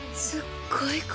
すっごい